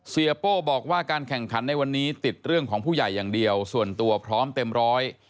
โป้บอกว่าการแข่งขันในวันนี้ติดเรื่องของผู้ใหญ่อย่างเดียวส่วนตัวพร้อมเต็มร้อย